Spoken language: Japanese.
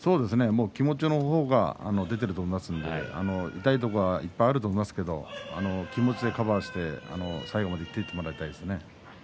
気持ちが出ていると思いますので、痛いところはいっぱいあると思いますけど気持ちでカバーして最後まで持っていってもらいたいですね。